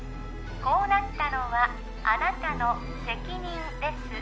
こうなったのはあなたの責任です